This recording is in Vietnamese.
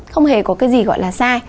không hề có cái gì gọi là sai